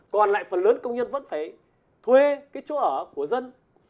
còn lại phần lớn công nhân vẫn phải thuê cái chỗ ở của dân